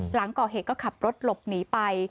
หลังก่อเหตุก็ขับรถหลบหนีไป